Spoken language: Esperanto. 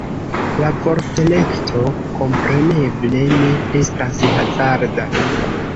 La vortelekto kompreneble ne estas hazarda.